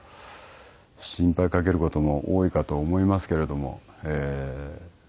心配かける事も多いかと思いますけれども。